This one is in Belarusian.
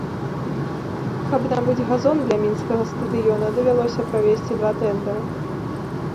Каб набыць газон для мінскага стадыёна, давялося правесці два тэндары.